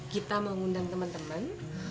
gita mau undang teman teman